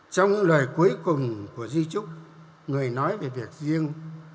trong lời cuối cùng của di trúc người nói về việc riêng